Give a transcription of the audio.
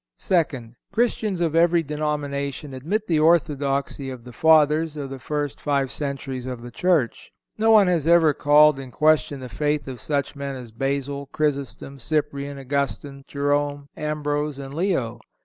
Second—Christians of every denomination admit the orthodoxy of the Fathers of the first five centuries of the Church. No one has ever called in question the faith of such men as Basil, Chrysostom, Cyprian, Augustine, Jerome, Ambrose and Leo.